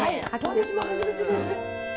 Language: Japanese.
私も初めてです。